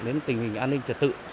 đến tình hình an ninh trật tự